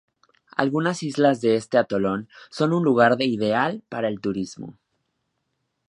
Algunas islas de este atolón son un lugar ideal para el turismo.